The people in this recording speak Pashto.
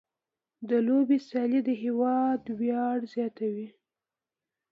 د لوبو سیالۍ د هېواد ویاړ زیاتوي.